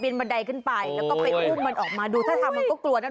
นึกว่าจะตัดต้นกล้วย